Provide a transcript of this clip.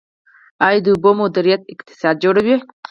آیا د اوبو مدیریت اقتصاد جوړوي؟